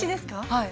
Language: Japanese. はい。